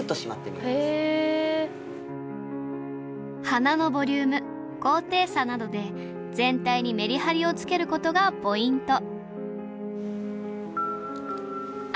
花のボリューム高低差などで全体にメリハリをつけることがポイント